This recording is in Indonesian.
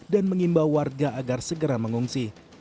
dan mengimbau warga agar segera mengungsi